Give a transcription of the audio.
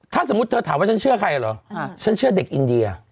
ถ้าสมมุติเธอถามว่าฉันเชื่อใครเหรอฉันเชื่อเด็กอินเดีย